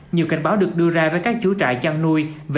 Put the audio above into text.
nhiều cảnh báo được đưa ra với các chú trại chăn nuôi